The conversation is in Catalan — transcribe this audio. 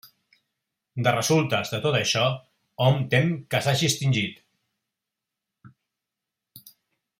De resultes de tot això, hom tem que s'hagi extingit.